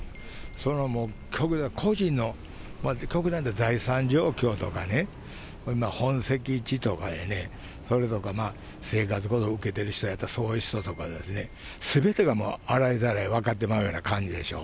それはもう、個人の、極端に言ったら、財産情報とかね、本籍地とかやね、それとかな、生活保護を受けてる人やったら、そういう人とかですね、すべてが洗いざらい分かってまうような感じでしょ。